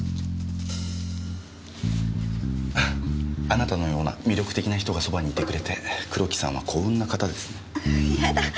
あなたのような魅力的な人がそばにいてくれて黒木さんは幸運な方ですね。